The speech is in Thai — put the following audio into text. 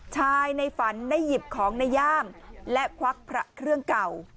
ในฝันได้หยิบของในย่ามและควักพระเครื่องเก่า